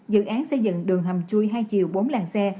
dự án xây dựng đường hầm chui hai chiều bốn làng xe